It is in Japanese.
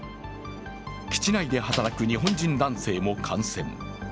基地内で働く日本人男性も感染。